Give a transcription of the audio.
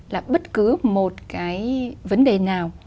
là bất cứ một cái vấn đề nào